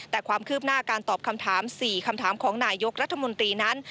แต่ความคืบหน้าการตอบคำถาม๔คำถามของนายยกรัฐมนตรีนั้น